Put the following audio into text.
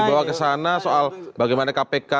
dibawa kesana soal bagaimana kpk